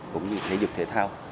cũng như thể dục thể thao